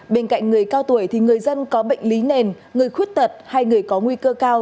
bên cạnh người cao tuổi thì người dân có bệnh lý nền người khuyết tật hay người có nguy cơ cao